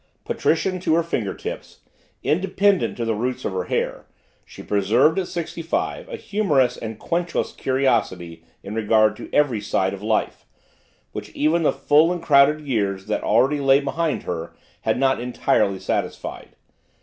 Patrician to her finger tips, independent to the roots of her hair, she preserved, at sixty five, a humorous and quenchless curiosity in regard to every side of life, which even the full and crowded years that already lay behind her had not entirely satisfied.